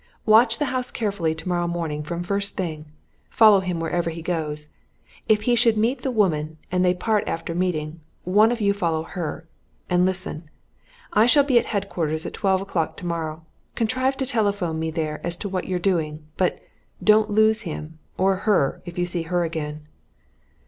Watch the house carefully tomorrow morning from first thing follow him wherever he goes. If he should meet the woman, and they part after meeting, one of you follow her. And listen I shall be at headquarters at twelve o'clock tomorrow. Contrive to telephone me there as to what you're doing. But don't lose him or her, if you see her again."